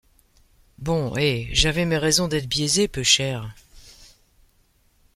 Bon, hé, j’avais mes raisons d’être biaisée, peuchère. ..